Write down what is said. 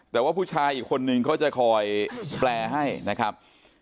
แต่ว่าผู้ชายอีกคนนึงเขาจะคอยแปลให้นะครับ